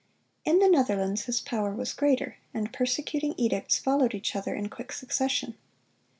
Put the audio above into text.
In the Netherlands his power was greater, and persecuting edicts followed each other in quick succession.